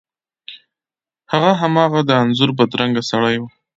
هغه هماغه د انځور بدرنګه سړی و.